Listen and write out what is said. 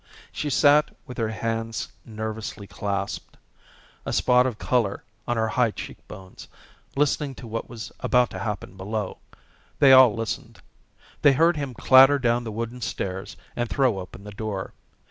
She sat with her hands nervously clasped, a spot of colour on her high cheek bones, listening to what was about to happen below. They all listened. They heard him clatter down the wooden stairs and throw open the door.